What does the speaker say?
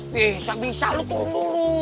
bisa bisa lo turun dulu